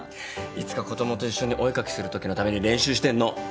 いつか子供と一緒にお絵描きするときのために練習してんの。